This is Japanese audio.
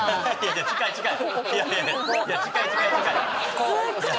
近い近い！